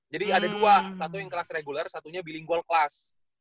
jadi ada dua satu yang kelas reguler satunya bilingual kelas